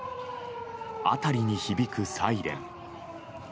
辺りに響くサイレン。